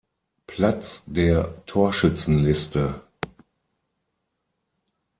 Platz der Torschützenliste.